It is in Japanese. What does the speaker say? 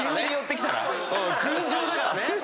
群青だからね。